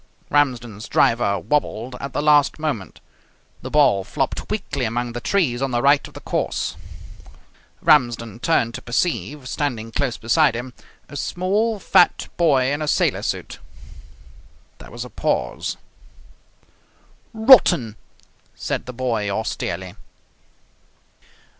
Ramsden's driver wabbled at the last moment. The ball flopped weakly among the trees on the right of the course. Ramsden turned to perceive, standing close beside him, a small fat boy in a sailor suit. There was a pause. "Rotten!" said the boy austerely.